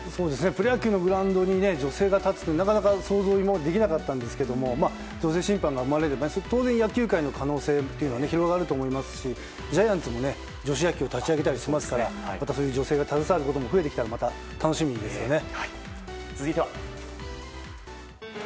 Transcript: プロ野球のグラウンドに女性が立つのはなかなか想像ができなかったんですが女性審判が生まれると当然、野球界の可能性は広がると思いますしジャイアンツも女子野球立ち上げたりしますから女性が携わることも増えてきたら楽しみですね。